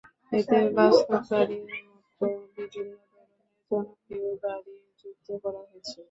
এতে বাস্তব গাড়ির মতো বিভিন্ন ধরনের জনপ্রিয় গাড়ি যুক্ত করা হয়েছে।